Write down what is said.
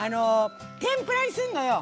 天ぷらにすんのよ。